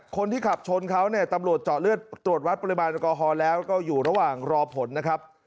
คนที่ขับชนเขาเนี่ยตำรวจเจาะเลือดตรวจวัดปริมาณแอลกอฮอลแล้วก็อยู่ระหว่างรอผลนะครับ